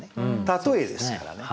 例えですからね。